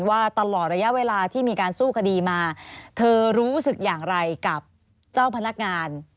ว่าตลอดระยะเวลาที่มีการสู้คดีมาเธอรู้สึกอย่างไรกับเจ้าพนักงาน